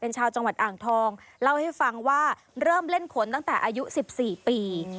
ชาวจังหวัดอ่างทองเล่าให้ฟังว่าเริ่มเล่นขนตั้งแต่อายุ๑๔ปี